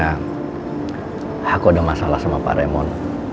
sebenernya aku ada masalah sama pak raymond